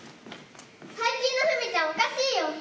最近のふみちゃん、おかしいよ。